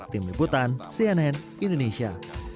tim liputan cnn indonesia